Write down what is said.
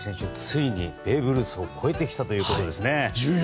ついにベーブ・ルースを超えてきたということですね。